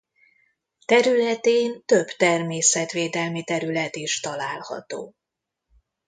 Területén több természetvédelmi terület is található.